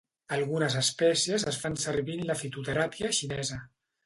Algunes espècies es fan servir en la fitoteràpia xinesa.